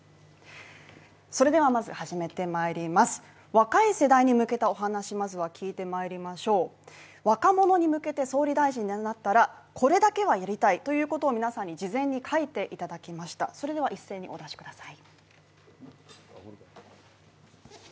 それではまず始めてまいります若い世代に向けたお話まずは聞いて参りましょう若者に向けて総理大臣になったらこれだけはやりたいということを皆さんに事前に書いていただきました一斉にお出しください